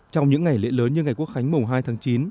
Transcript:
trong những ngày lễ lớn như ngày quốc khánh mùng hai tháng chín